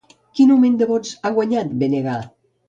Quin augment de vots ha guanyat Bng?